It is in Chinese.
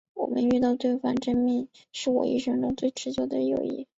我们遇到了对方而这证明是我一生中最持久的友谊。